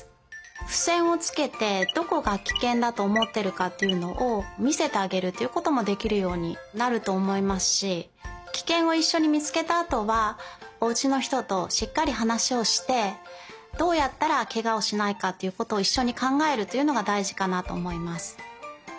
ふせんをつけてどこがキケンだとおもってるかっていうのをみせてあげるっていうこともできるようになるとおもいますしキケンをいっしょにみつけたあとはおうちのひととしっかりはなしをしてどうやったらケガをしないかっていうことをいっしょにかんがえるっていうのがだいじかなとおもいます。